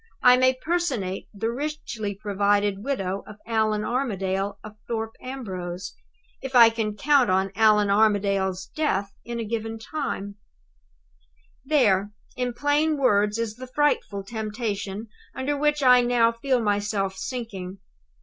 _I may personate the richly provided widow of Allan Armadale of Thorpe Ambrose, if I can count on Allan Armadale's death in a given time_. "There, in plain words, is the frightful temptation under which I now feel myself sinking.